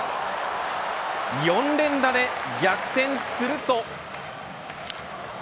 ４連打で逆転すると。